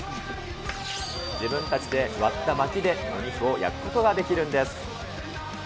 自分たちで割ったまきでお肉を焼くことができるんです。